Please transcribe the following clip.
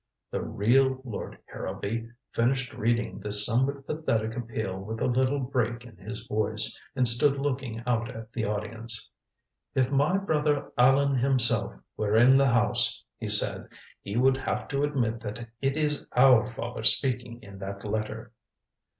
The "real Lord Harrowby" finished reading this somewhat pathetic appeal with a little break in his voice, and stood looking out at the audience. "If my brother Allan himself were in the house," he said, "he would have to admit that it is our father speaking in that letter."